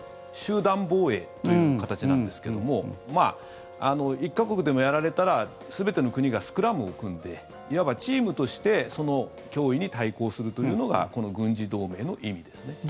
集団防衛という形なんですけども１か国でもやられたら全ての国がスクラムを組んでいわばチームとしてその脅威に対抗するというのがこの軍事同盟の意味ですね。